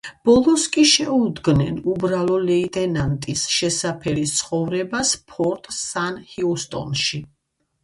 ბოლოს კი შეუდგნენ უბრალო ლეიტენანტის შესაფერის ცხოვრებას ფორტ სან-ჰიუსტონში.